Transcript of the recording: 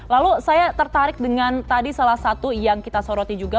lalu saya tertarik dengan tadi salah satu yang kita soroti juga